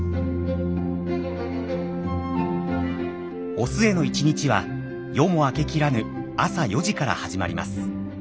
御末の１日は夜も明けきらぬ朝４時から始まります。